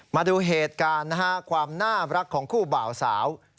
มาดูเหตุการณ์นะฮะความน่ารักของคู่บ่าวสาว